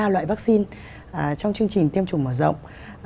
một mươi ba loại vaccine trong chương trình tiêm chủng mở rộng